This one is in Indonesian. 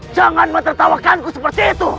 jangan menertawakanku seperti itu